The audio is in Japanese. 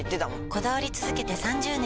こだわり続けて３０年！